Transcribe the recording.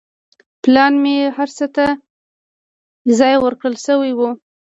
پلان کې هر څه ته ځای ورکړل شوی و.